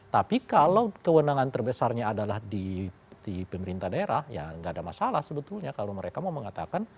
tapi kalau kewenangan terbesarnya adalah di pemerintah daerah ya nggak ada masalah sebetulnya kalau mereka mau mengatakan